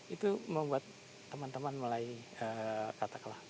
itu membuat teman teman mulai katakanlah